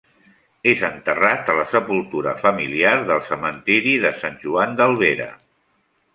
És enterrat a la sepultura familiar del cementiri de Sant Joan d'Albera.